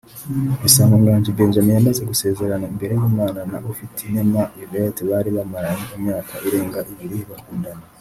Bisangwa Nganji Benjamin yamaze gusezerana imbere y’Imana na Ufitinema Yvette bari bamaranye imyaka irenga ibiri bakundana